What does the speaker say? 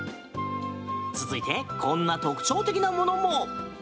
続いてこんな特徴的なものも。